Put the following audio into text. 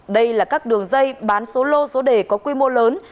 đây là các đường dây bán số lô số đề có quy mô lớn